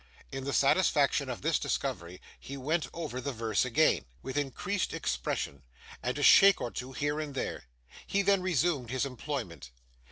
In the satisfaction of this discovery, he went over the verse again, with increased expression, and a shake or two here and there. He then resumed his employment.